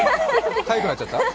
かゆくなっちゃった？